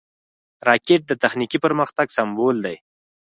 راکټ د تخنیکي پرمختګ سمبول دی